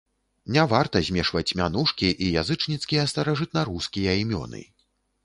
Не варта змешваць мянушкі і язычніцкія старажытнарускія імёны.